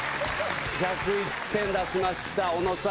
１０１点出しました小野さん